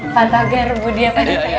pak togar ibu dia pak togar